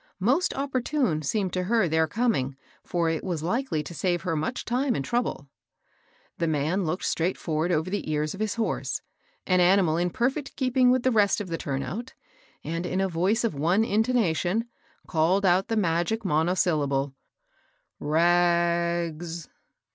Most opportune seemed to her their coming, for it was likely to save her much time and trouble. The man looked straight forward over the eai3 THE RAG MERCHANTS. 841 of his horse — an animal in perfect keeping with the rest of the tuni out — and in a voice of one intonation, called out the magic monosyllable, *^Rags!"